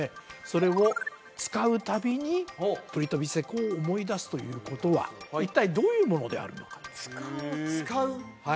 それを使うたびにプリトヴィツェ湖を思い出すということは一体どういうものであるのか使う？